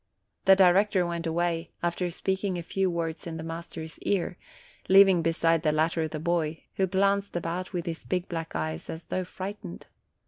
The director went away, after speaking a few words in the master's ear, leaving beside the latter the boy, who glanced about with his big black eyes as* though frightened.